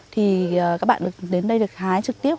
thì các bạn đến đây được hái trực tiếp